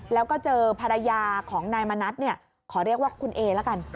แล้วก็เจอภรรยาของนายมณัฐขอเรียกว่าคุณเอละกัน